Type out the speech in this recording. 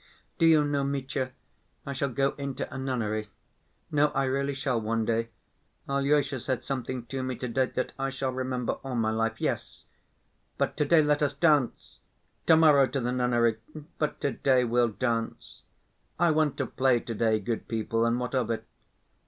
Do you know, Mitya, I shall go into a nunnery. No, I really shall one day, Alyosha said something to me to‐day that I shall remember all my life.... Yes.... But to‐day let us dance. To‐morrow to the nunnery, but to‐day we'll dance. I want to play to‐day, good people, and what of it?